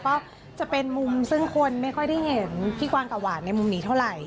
ก็จะเป็นมุมซึ่งคนไม่ค่อยได้เห็นพี่กวางกับหวานในมุมนี้เท่าไหร่